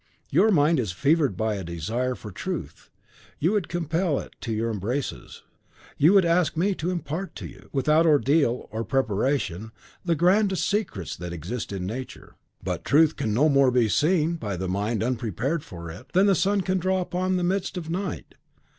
Your mind is fevered by a desire for truth: you would compel it to your embraces; you would ask me to impart to you, without ordeal or preparation, the grandest secrets that exist in Nature. But truth can no more be seen by the mind unprepared for it, than the sun can dawn upon the midst of night.